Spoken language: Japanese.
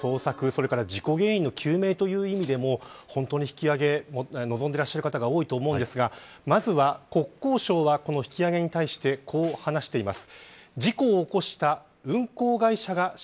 それから事故原因の究明という意味でも引き揚げを望んでいる方が多いと思うんですがまずは国交省はこの引き揚げに対して、こう話しています。